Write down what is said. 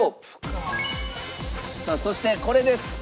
さあそしてこれです。